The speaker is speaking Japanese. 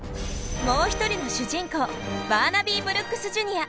もう一人の主人公バーナビー・ブルックスＪｒ．。